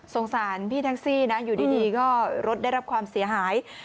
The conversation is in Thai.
สารพี่แท็กซี่นะอยู่ดีก็รถได้รับความเสียหาย